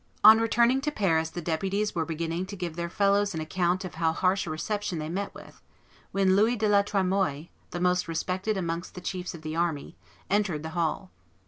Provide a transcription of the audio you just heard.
On returning to Paris the deputies were beginning to give their fellows an account of how harsh a reception they met with, when Louis de la Tremoille, the most respected amongst the chiefs of the army, entered the hall.